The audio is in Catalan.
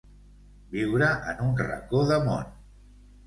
Viure en un racó de món.